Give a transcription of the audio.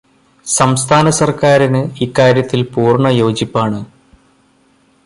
സംസ്ഥാന സർക്കാരിന് ഇക്കാര്യത്തിൽ പൂർണ യോജിപ്പാണ്.